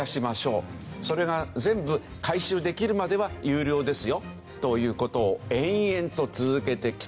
それが全部回収できるまでは有料ですよという事を延々と続けてきた。